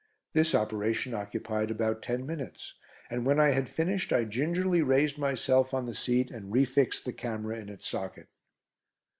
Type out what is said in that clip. This operation occupied about ten minutes, and when I had finished I gingerly raised myself on the seat and refixed the camera in its socket.